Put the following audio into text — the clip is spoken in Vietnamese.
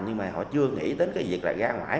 nhưng mà họ chưa nghĩ đến cái việc là ra ngoài